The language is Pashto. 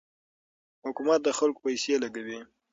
حکومت د خلکو پیسې لګوي.